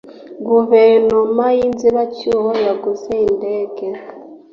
guverinoma yinzibacyuho yaguze indege.